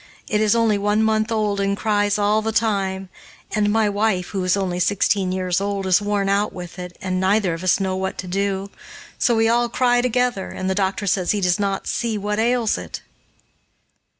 It is only one month old and cries all the time, and my wife, who is only sixteen years old, is worn out with it and neither of us know what to do, so we all cry together, and the doctor says he does not see what ails it."